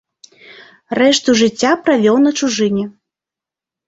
Рэшту жыцця правёў на чужыне.